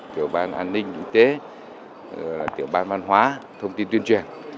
tiểu ban an ninh y tế tiểu ban văn hóa thông tin tuyên truyền